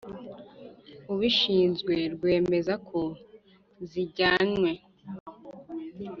ubishinzwe rwemeza ko zijyanywe